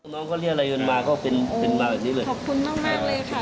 น้องเขาเรียกอะไรเงินมาก็เป็นเป็นมาแบบนี้เลยขอบคุณมากมากเลยค่ะ